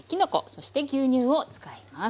そして牛乳を使います。